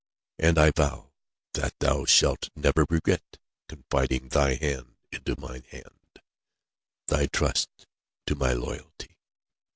And I vow that thou shalt never regret confiding thy hand to my hand, thy trust to my loyalty."